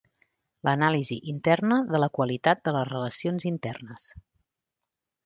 L'anàlisi interna de la qualitat de les relacions internes.